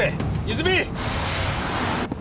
泉！